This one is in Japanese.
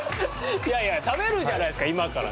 いやいや食べるじゃないですか今から。